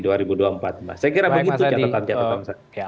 saya kira begitu catatan catatan saya